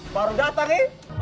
baru datang eh